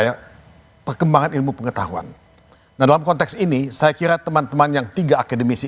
ya perkembangan ilmu pengetahuan nah dalam konteks ini saya kira teman teman yang tiga akademisi